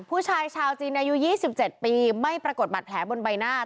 ผู้ชายชาวจีนอายุ๒๗ปีไม่ปรากฏบัตรแผลบนใบหน้า